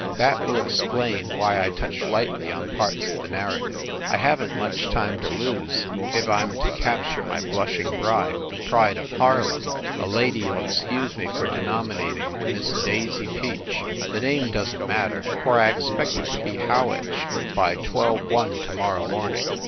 That will explain why I touch lightly on parts of the narrative. I haven t much time to lose, if I m to capture my blushing bride, the pride of Harlem a lady you ll excuse me for denominating Miss Daisy Peach. The name don t matter, for I expect it to be Howich by twelve one to morrow morning.